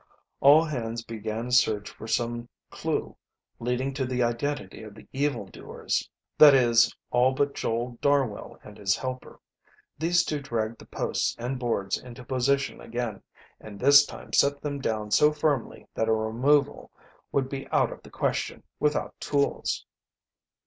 All hands began a search for some clew leading to the identity of the evil doers that is, all but Joel Darwell and his helper. These two dragged the posts and boards into position again, and this time set them down so firmly that a removal would be out of the question without tools.